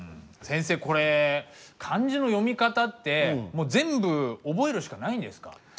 先生これ漢字の読み方ってもう全部覚えるしかないんですか？